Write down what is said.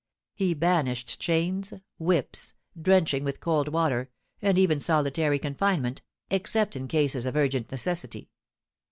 He banished chains, whips, drenching with cold water, and even solitary confinement, except in cases of urgent necessity.